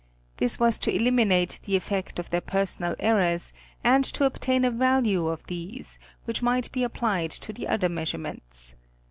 This was to eliminate the effect of their personal errors, and to obtain a value of these, which might be applied to the other measurements.